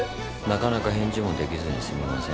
なかなか返事もできずにすみません。